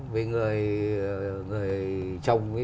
vì người chồng ấy